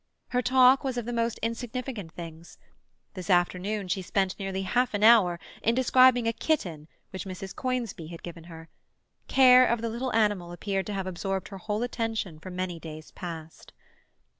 Her talk was of the most insignificant things; this afternoon she spent nearly half an hour in describing a kitten which Mrs. Conisbee had given her; care of the little animal appeared to have absorbed her whole attention for many days past.